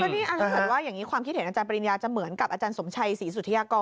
ที่คือเพราะว่าความคิดเห็นอาจารย์บริญญาจะเหมือนกับอาจารย์สมชัย๔ศุธิฯก่อน